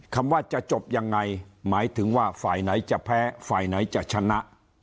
คำว่าจะจบยังไงหมายถึงว่าฝ่ายไหนจะแพ้ฝ่ายไหนจะชนะ